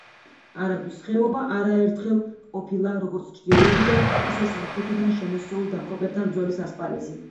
არაგვის ხეობა არაერთხელ ყოფილა როგორც ჩრდილოეთიდან, ისე სამხრეთიდან შემოსეულ დამპყრობლებთან ბრძოლის ასპარეზი.